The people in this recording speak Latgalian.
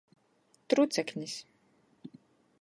Truceknis.